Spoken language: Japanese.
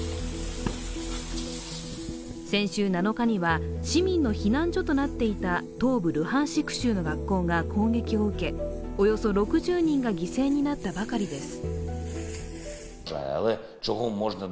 先週７日には、市民の避難所となっていた東部ルハンシク州の学校が攻撃を受け、およそ６０人が犠牲になったばかりです。